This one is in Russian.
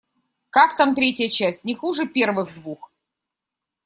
Как там третья часть, не хуже первых двух?